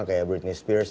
kayak britney spears